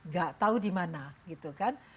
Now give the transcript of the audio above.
gak tahu di mana gitu kan